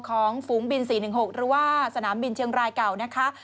ฝูงบิน๔๑๖หรือว่าสนามบินเชียงรายเก่านะคะ